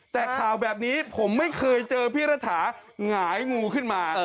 แต่ข่าวแบบนี้ผมไม่เคยเจอพี่รัฐาหงายงูขึ้นมา